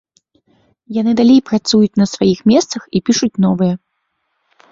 Яны далей працуюць на сваіх месцах і пішуць новыя.